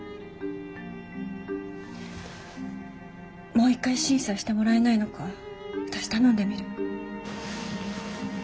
もう一回審査してもらえないのか私頼んでみる。